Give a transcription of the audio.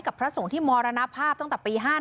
พระสงฆ์ที่มรณภาพตั้งแต่ปี๕๗